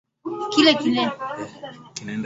Huathiri ndama wa umri wa chini ya mwezi mmoja